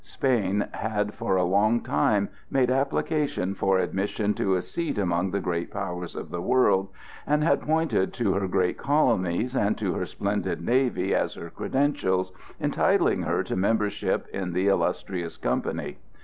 Spain had for a long time made application for admission to a seat among the great powers of the world and had pointed to her great colonies and to her splendid navy as her credentials entitling her to membership in the illustrious company.